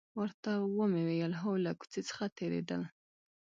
ورته ومې ویل: هو، له کوڅې څخه تېرېدل.